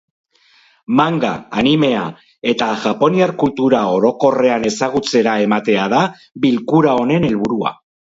Manga, animea eta japoniar kultura orokorrean ezagutzera ematea da bilkura honen helburua.